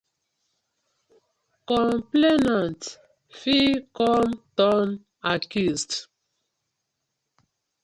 Complainant fit com turn accused.